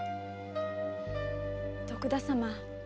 徳田様